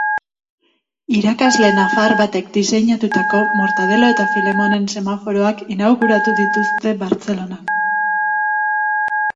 Irakasle nafar batek diseinatutako Mortadelo eta Filemonen semaforoak inauguratu dituzte Bartzelonan.